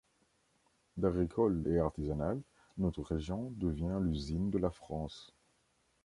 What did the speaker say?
D’agricole et artisanale, notre région devient l’usine de la France.